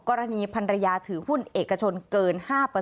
กรณีพันรยาถือหุ้นเอกชนเกิน๕